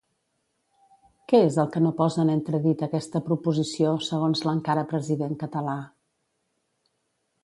Què és el que no posa en entredit aquesta proposició, segons l'encara president català?